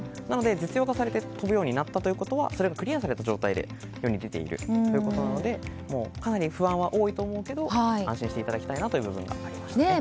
なので、実用化されて飛ぶようになったことはそれがクリアされた状態で世に出ているということなのでかなり不安は多いと思うけど安心していただきたいなと思いましたね。